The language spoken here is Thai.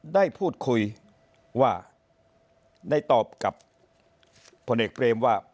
ได้พูดคุยว่าได้ตอบกับพลเอกเปรมว่า